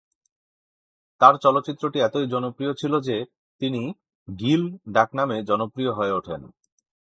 তার চরিত্রটি এতই জনপ্রিয় ছিল যে তিনি "গিল" ডাকনামে পরিচিত হয়ে ওঠেন।